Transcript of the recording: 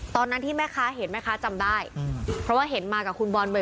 ตอนนั้นที่แม่ค้าเห็นแม่ค้าจำได้เพราะว่าเห็นมากับคุณบอลบ่อย